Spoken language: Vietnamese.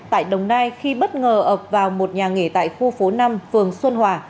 tại đồng nai khi bất ngờ ập vào một nhà nghỉ tại khu phố năm phường xuân hòa